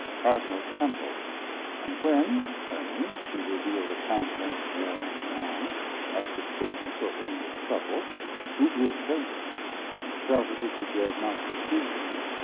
Cosmo trembled; and when, turning, she revealed a countenance worn and wan, as with sickness or inward trouble, he grew faint, and felt as if he dared not proceed.